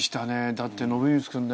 だって伸光君ね。